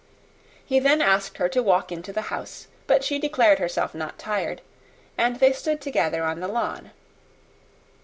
He then asked her to walk into the house but she declared herself not tired, and they stood together on the lawn.